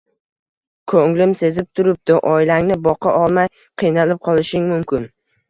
Ko'nglim sezib turibdi, oilangni boqa olmay qiynalib qolishing mumkin